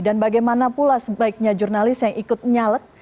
dan bagaimana pula sebaiknya jurnalis yang ikut nyalek